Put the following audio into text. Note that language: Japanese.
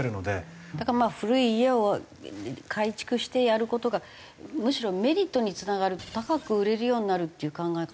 だからまあ古い家を改築してやる事がむしろメリットにつながる高く売れるようになるっていう考え方だったら。